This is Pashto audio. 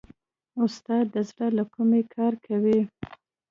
استاد د زړه له کومې کار کوي.